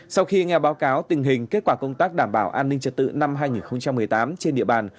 sau khi nghe báo cáo tình hình kết quả công tác đảm bảo an ninh trật tự năm hai nghìn một mươi tám trên địa bàn